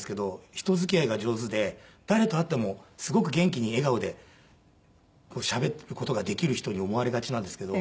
人付き合いが上手で誰と会ってもすごく元気に笑顔でしゃべる事ができる人に思われがちなんですけど。